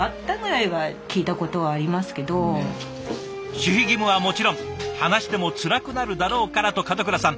守秘義務はもちろん話してもつらくなるだろうからと門倉さん